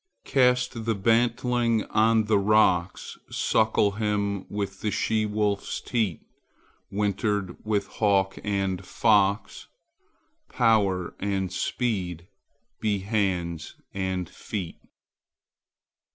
_ Cast the bantling on the rocks, Suckle him with the she wolf's teat, Wintered with the hawk and fox. Power and speed be hands and feet.